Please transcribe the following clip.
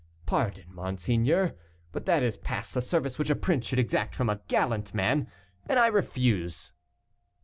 Pardon, monseigneur, but that is past the service which a prince should exact from a gallant man, and I refuse."